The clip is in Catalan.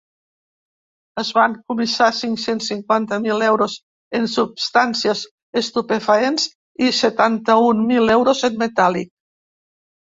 Es van comissar cinc-cents cinquanta mil euros en substàncies estupefaents i setanta-un mil euros en metàl·lic.